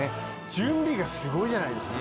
準備がすごいじゃないですか。